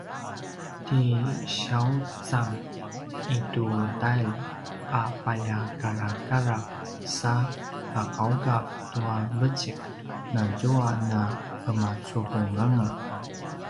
ti siawcang i tu tailj a paljakarakarav sa pagawgav tua vecik nazua na’emacuvunganga